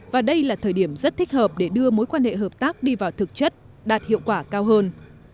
và đây là thời điểm rất thích hợp để đưa mối quan hệ hợp tác đi vào thực chất đạt hiệu quả cao hơn